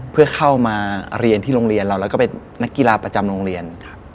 เพื่อเข้ามาเรียนที่โรงเรียนเราแล้วก็เป็นนักกีฬาประจำโรงเรียน